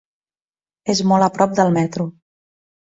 És molt a prop del metro.